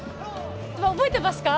覚えてますか？